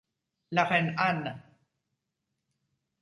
La reine Anne